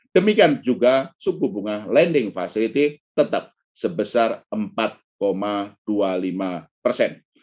demikian juga suku bunga lending facility tetap sebesar empat dua puluh lima persen